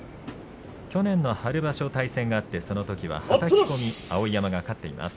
去年の春場所、対戦があってそのときは、はたき込みで碧山が勝っています。